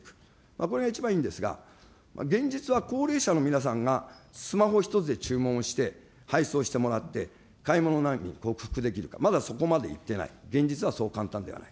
これが一番いいんですが、現実は高齢者の皆さんが、スマホ１つで注文して、配送してもらって、買い物難民を克服できるか、まだそこまでいってない、現実はそう簡単ではない。